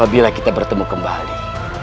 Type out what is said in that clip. bila kita bertemu kembali